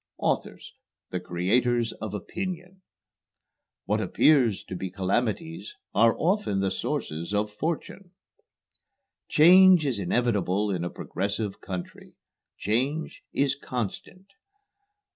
"Authors the creators of opinion." "What appear to be calamities are often the sources of fortune." "Change is inevitable in a progressive country. Change is constant."